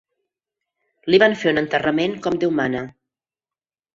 Li van fer un enterrament com Déu mana.